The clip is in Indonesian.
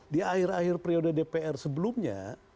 di akhir akhir periode dpr sebelumnya